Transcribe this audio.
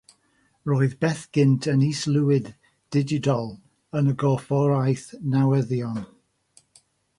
Roedd Bell gynt yn Is-lywydd Digidol yn y Gorfforaeth Newyddion.